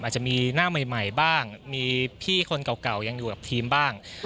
อาจจะมีหน้าใหม่บ้างมีพี่คนเก่ายังอยู่กับทีมบ้าง